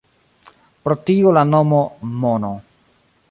Pro tio la nomo “Mono”.